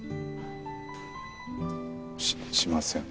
ししません。